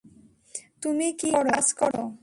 তুমি কী কাজ করো?